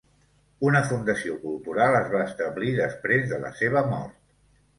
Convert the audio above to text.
Una fundació cultural es va establir després de la seva mort.